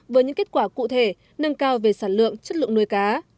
với những kết quả cụ thể nâng cao về sản lượng chất lượng nuôi cá